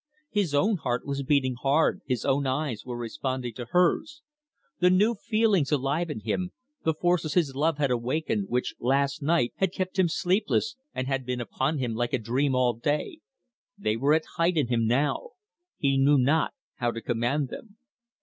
His own heart was beating hard, his own eyes were responding to hers. The new feelings alive in him, the forces his love had awakened, which, last night, had kept him sleepless, and had been upon him like a dream all day they were at height in him now. He knew not how to command them.